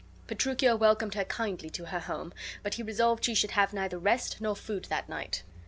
Petruchio welcomed her kindly to her home, but he resolved she should have neither rest nor food that night.